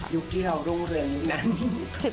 ยุคเกี่ยวรุ่งเรือนนั้น